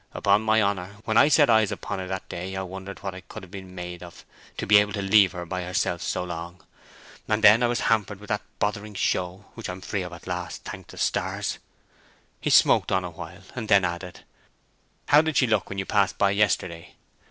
Upon my honour, when I set eyes upon her that day I wondered what I could have been made of to be able to leave her by herself so long. And then I was hampered with that bothering show, which I'm free of at last, thank the stars." He smoked on awhile, and then added, "How did she look when you passed by yesterday?"